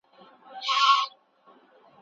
کرکه او بدبینی لرې کول اړین دي.